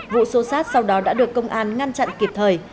vụ xô xát sau đó đã được công an ngăn chặn kịp thời